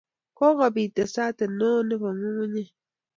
Kokobit tesatet neo nebo nyukunyeg